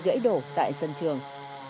gãy đổ tại sân trường